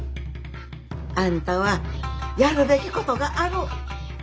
あんたはやるべきことがある。